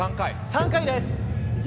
３回です。